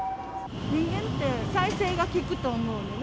人間って再生が利くと思うのね。